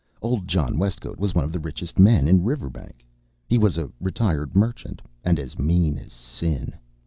Old John Westcote was one of the richest men in Riverbank. He was a retired merchant and as mean as sin.